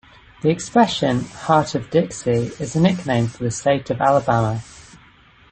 The expression "Heart of Dixie" is a nickname for the state of Alabama.